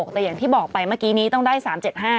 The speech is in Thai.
แต่อย่างที่บอกไปเมื่อกี้นี้ต้องได้๓๗๕